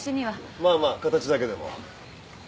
まあまあ形だけでも。